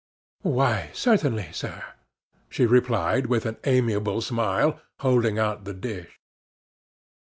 "Why, certainly, sir," she replied, with an amiable smile, holding out the dish.